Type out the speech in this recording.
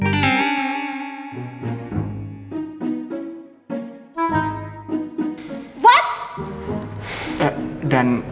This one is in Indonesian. sebenernya bukan dari kami bertiga